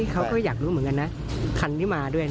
เขาก็อยากรู้เหมือนกันนะ